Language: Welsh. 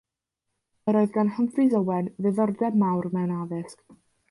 Yr oedd gan Humphreys-Owen ddiddordeb mawr mewn addysg.